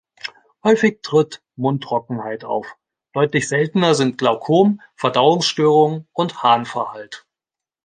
Häufig tritt Mundtrockenheit auf, deutlich seltener sind Glaukom, Verdauungsstörungen und Harnverhalt.